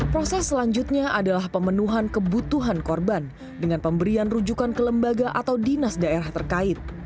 proses selanjutnya adalah pemenuhan kebutuhan korban dengan pemberian rujukan ke lembaga atau dinas daerah terkait